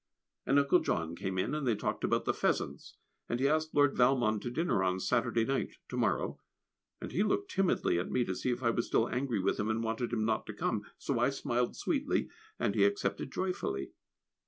And Uncle John came in, and they talked about the pheasants, and he asked Lord Valmond to dinner on Saturday night (to morrow), and he looked timidly at me, to see if I was still angry with him and wanted him not to come, so I smiled sweetly, and he accepted joyfully.